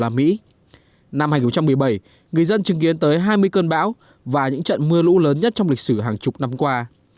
năm hai nghìn một mươi bảy người dân chứng kiến tới hai mươi cơn bão và những trận mưa lũ lớn nhất trong lịch sử hàng chục năm qua